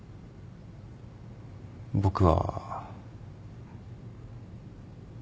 僕は。